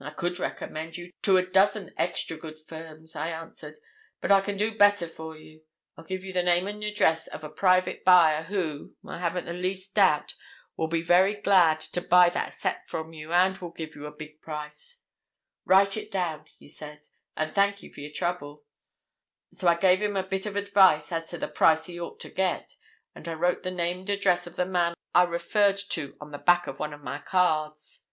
'I could recommend you to a dozen extra good firms,' I answered. 'But I can do better for you. I'll give you the name and address of a private buyer who, I haven't the least doubt, will be very glad to buy that set from you and will give you a big price.' 'Write it down,' he says, 'and thank you for your trouble.' So I gave him a bit of advice as to the price he ought to get, and I wrote the name and address of the man I referred to on the back of one of my cards."